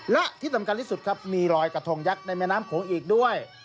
และที่สำคัญที่สุดครับมีรอยกระทงยักษ์ในแม่น้ำโขงอีกด้วย